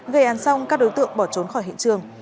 gây án xong các đối tượng bỏ trốn khỏi hiện trường